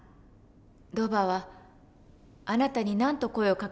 ロバはあなたに何と声をかけたのですか？